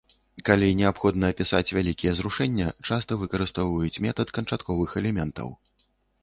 Калі неабходна апісаць вялікія зрушэння, часта выкарыстоўваюць метад канчатковых элементаў.